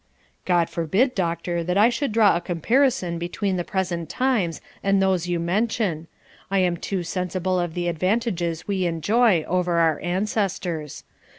'God forbid, Doctor, that I should draw a comparison between the present times and those you mention. I am too sensible of the advantages we enjoy over our ancestors.